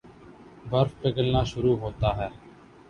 برف پگھلنا شروع ہوتا ہے